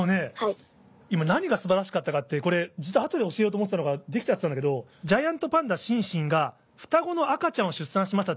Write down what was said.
今何が素晴らしかったかって実は後で教えようと思ってたのができちゃってたんだけど「ジャイアントパンダ・シンシンが双子の赤ちゃんを出産しました」